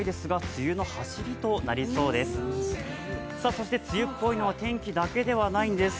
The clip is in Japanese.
梅雨っぽいのは天気だけではないんです。